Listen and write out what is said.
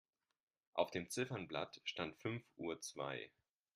Auf dem Ziffernblatt stand fünf Uhr zwei.